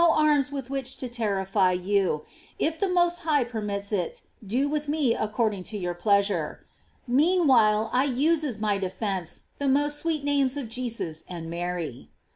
rms with which to terrify you ; if the Most High permits it, do with me according to your pleasure. Meanwhile I use as my defence the most sweet names of Jesus and Mary."